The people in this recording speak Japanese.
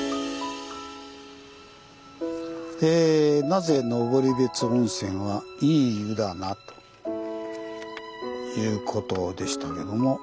「なぜ登別温泉は“いい湯だな”？」ということでしたけども。